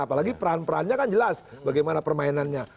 apalagi peran perannya kan jelas bagaimana permainannya